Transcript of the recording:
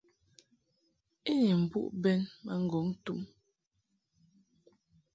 I ni mbuʼ bɛn ma ŋgɔŋ tum.